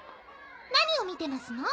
何を見てますの？